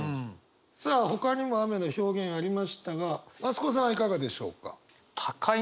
さあほかにも雨の表現ありましたが増子さんはいかがでしょうか？